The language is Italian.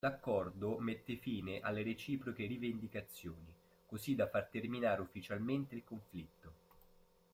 L'accordo mette fine alle reciproche rivendicazioni, così da far terminare ufficialmente il conflitto.